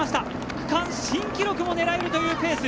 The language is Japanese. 区間新記録も狙えるというペース。